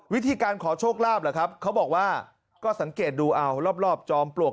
วิธีการขอโชคลาภเขาบอกว่าก็สังเกตดูรอบจอมปลวก